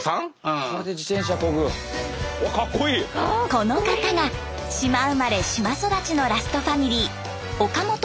この方が島生まれ島育ちのラストファミリー